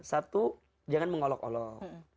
satu jangan mengolok olok